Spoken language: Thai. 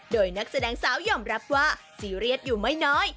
โดยนักแสดงสาวยอมรับว่าซีเรียสอยู่ไม่น้อย